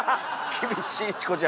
厳しいチコちゃん。